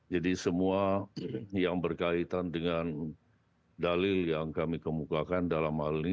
jadi semua yang berkaitan dengan dalil yang kami kemukakan dalam hal ini